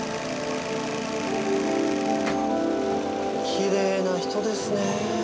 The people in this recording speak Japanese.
きれいな人ですね。